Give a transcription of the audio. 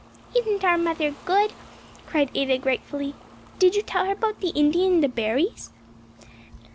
"Isn't our mother good?" cried Ada gratefully. "Did you tell her about the Indian the berries?"